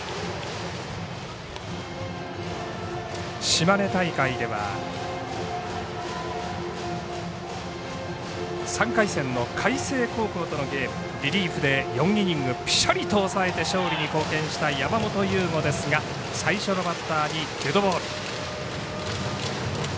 島根大会では、３回戦の開星高校とのゲームリリーフで４イニングぴしゃりと抑えて勝利に貢献した山本由吾ですが最初のバッターにデッドボール。